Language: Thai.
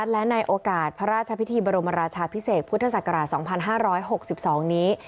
และในโอกาสพระราชพิธีบรมราชาพิเศษพุทธศักราช๒๕๖๒นี้